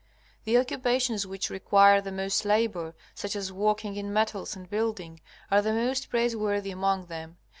The occupations which require the most labor, such as working in metals and building, are the most praiseworthy among them.